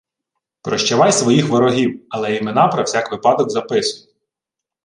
Прощавай своїх ворогів, але імена про всяк випадок записуй.